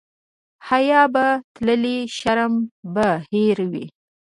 حیا به تللې شرم به هېر وي.